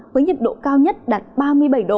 với nhiệt độ cao nhất đạt ba mươi bảy độ